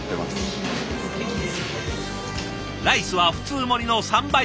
ライスは普通盛りの３杯分。